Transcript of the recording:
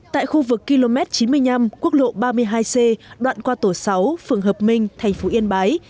tại khu vực km chín mươi năm quốc lộ ba mươi hai c đoạn qua tổ sáu phường hợp minh thành phố yên bái